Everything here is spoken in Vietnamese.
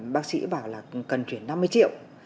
bác sĩ bảo là cần chuyển năm mươi triệu